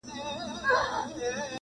په ښراوو، په بد نوم او په ښکنځلو٫